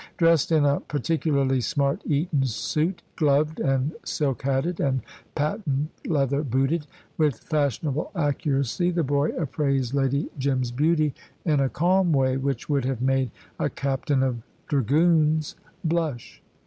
Dressed in a particularly smart Eton suit, gloved and silk hatted and patent leather booted with fashionable accuracy, the boy appraised Lady Jim's beauty in a calm way, which would have made a captain of dragoons blush.